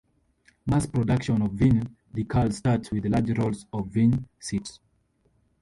Mass-production of vinyl decals starts with large rolls of vinyl sheet.